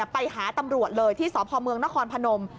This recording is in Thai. ไปหาตำรวจเลยที่สพเมืองนครพนม